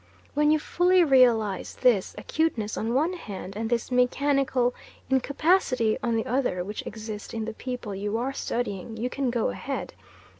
When you fully realise this acuteness on one hand and this mechanical incapacity on the other which exist in the people you are studying, you can go ahead.